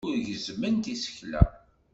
Ur gezzment isekla.